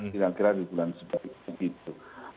kira kira di bulan seperti itu